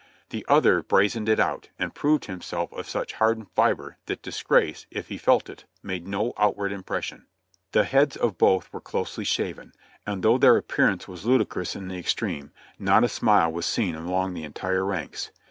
The other brazened it out, and proved himself of such hardened fibre that disgrace, if he felt it, made no outward impression. The heads of both were closely shaven, and though their appearance was ludicrous in the extreme, not a smile was seen along the entire ranks.